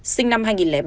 sinh năm hai nghìn ba